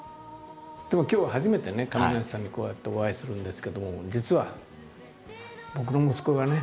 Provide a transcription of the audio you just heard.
でも今日は初めてね亀梨さんにこうやってお会いするんですけども実は僕の息子がね